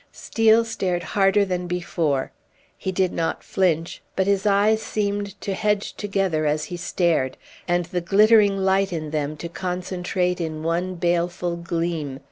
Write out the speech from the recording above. Steel stared harder than before; he did not flinch, but his eyes seemed to hedge together as he stared, and the glittering light in them to concentrate in one baleful gleam.